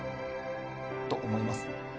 と思います